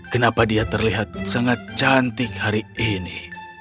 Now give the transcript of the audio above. kenapa dia terlihat sangat cantik hari ini